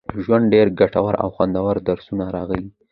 ژوند، ډېر ګټور او خوندور درسونه راغلي